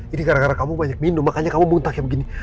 ini gara gara kamu banyak minum makanya kamu muntah yang begini